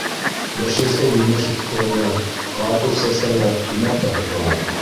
Йәшелсә-емеш үҫтерәләр, картуф сәсәләр, умарта тоталар.